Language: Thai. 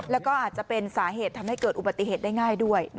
แล้วก็อาจจะเป็นสาเหตุทำให้เกิดอุบัติเหตุได้ง่ายด้วย